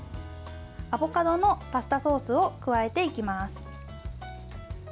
アボカドのパスタソースを加えていきます。